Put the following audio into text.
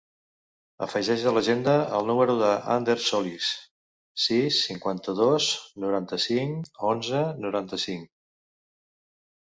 Afegeix a l'agenda el número de l'Ander Solis: sis, cinquanta-dos, noranta-cinc, onze, noranta-cinc.